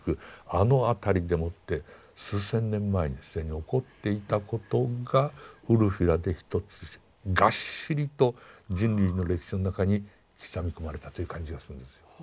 あの辺りでもって数千年前に既に起こっていたことがウルフィラで一つがっしりと人類の歴史の中に刻み込まれたという感じがするんですよ。